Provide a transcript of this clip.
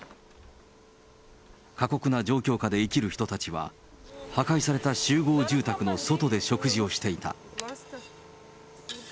過酷な状況下で生きる人たちは、破壊された集合住宅の外で食事をしていた。